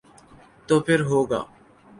تو پھر ہو گا۔